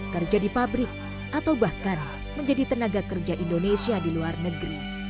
kerja di pabrik atau bahkan menjadi tenaga kerja indonesia di luar negeri